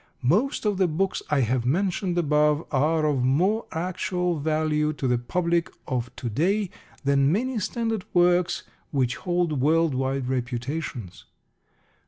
Most of the books I have mentioned above are of more actual value to the public of to day than many standard works which hold world wide reputations.